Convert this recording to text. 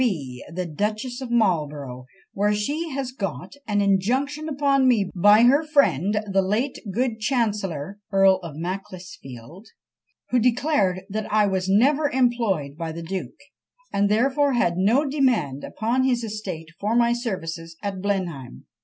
B. the Duchess of Marlborough, where she has got an injunction upon me by her friend the late good chancellor (Earl of Macclesfield), who declared that I was never employed by the duke, and therefore had no demand upon his estate for my services at Blenheim.